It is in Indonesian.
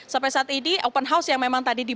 sampai saat ini open house yang memang tanya tanya